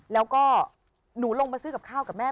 แล้วก็หนูลงมาซื้อกับข้าวกับแม่